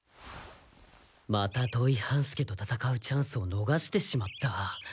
また土井半助と戦うチャンスをのがしてしまった。